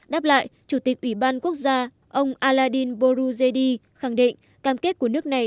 đáp lại chủ tịch ủy ban quốc gia ông aladin borujedi khẳng định cam kết của nước này